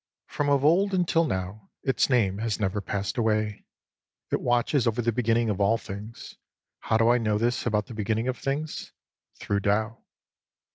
From of old until now, its name has never passed away. It watches over the beginning of all things. How do I know this about the beginning of things ? Through Tao.